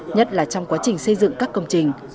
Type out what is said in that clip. nhất là trong quá trình xây dựng các công trình